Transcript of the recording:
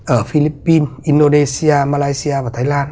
ở philippines indonesia malaysia và thái lan